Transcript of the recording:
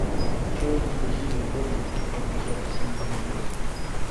Чайки кружили в воздухе, погружаясь в синеву небес.